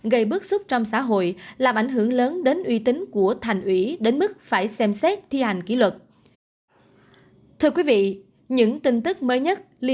gây bức xúc trong xã hội làm ảnh hưởng lớn đến uy tín của thành ủy đến mức phải xem xét thi hành kỷ luật